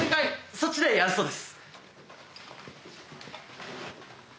そっちでやるそうです。